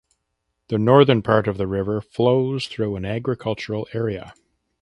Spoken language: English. The northern part of the river flows through an agricultural area.